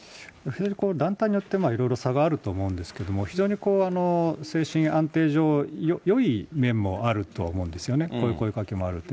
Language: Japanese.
非常に団体によっていろいろ差があると思うんですけども、非常に精神安定上、よい面もあるとは思うんですよね、こういう声かけもあると。